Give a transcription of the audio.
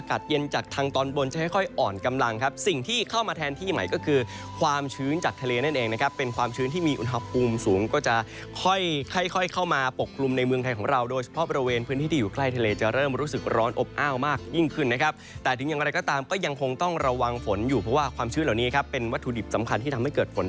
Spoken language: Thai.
กำลังครับสิ่งที่เข้ามาแทนที่ไหมก็คือความชื้นจากทะเลนั่นเองนะครับเป็นความชื้นที่มีอุณหภูมิสูงก็จะค่อยค่อยค่อยเข้ามาปกปรุงในเมืองไทยของเราโดยเฉพาะบริเวณพื้นที่อยู่ใกล้ทะเลจะเริ่มรู้สึกร้อนอบอ้าวมากยิ่งขึ้นนะครับแต่ถึงอย่างไรก็ตามก็ยังคงต้องระวังฝนอยู่เพราะว่าความชื้นเหล